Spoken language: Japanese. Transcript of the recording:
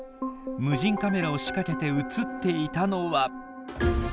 無人カメラを仕掛けて写っていたのは。